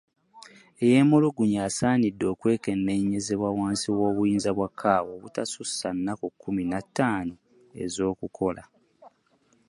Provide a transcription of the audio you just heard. Eyemulugunya asaanidde okwekennenyezebwa wansi w’obuyinza bwa CAO obutasussa nnaku kumi na taano ez’okukola.